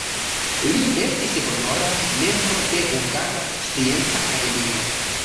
Li estis honora membro de Hungara Scienca Akademio.